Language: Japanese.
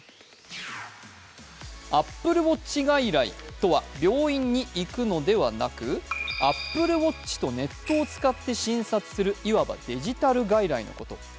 ＡｐｐｌｅＷａｔｃｈ外来とは病院に行くのではなく、ＡｐｐｌｅＷａｔｃｈとネットを使って診察する、いわばデジタル外来のこと。